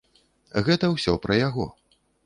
Гэта ўсё пра яго.